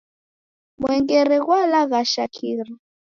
Mwengere ghwalaghasha kira